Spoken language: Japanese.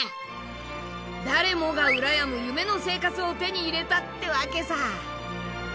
誰もが羨む夢の生活を手に入れたってわけさ。